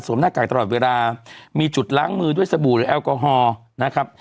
หน้ากากตลอดเวลามีจุดล้างมือด้วยสบู่หรือแอลกอฮอล์นะครับ